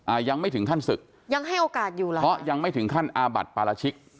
อ่ายังไม่ถึงขั้นศึกยังให้โอกาสอยู่หรอคะเพราะยังไม่ถึงขั้นอาบัติปราชิก